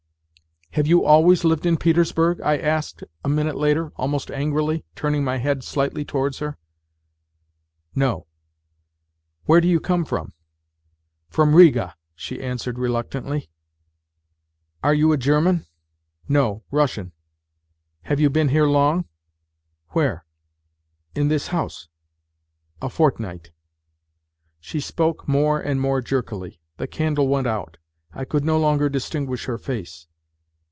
" Have you always lived in Petersburg? " I asked a minute later, almost angrily, turning my head slightly towards her. " No." " Where do you come from ?"" From Riga," she answered reluctantly. " Are you a German ?"" No, Russian." " Have you been here long ?"" Where ?"" In this house ?"" A fortnight." She spoke more and more jerkily. The candle went out ; I could no longer distinguish her face.